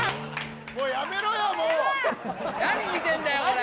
何見てんだよこれ。